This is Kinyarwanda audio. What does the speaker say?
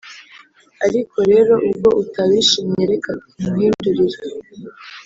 Ariko rero ubwo utawishimiye reka nkuhindurire,